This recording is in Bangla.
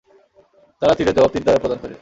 তারা তীরের জবাব তীর দ্বারা প্রদান করে।